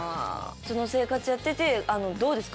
その生活やっててあのどうですか？